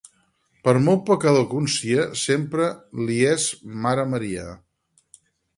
Per molt pecador que un sia, sempre li és mare Maria.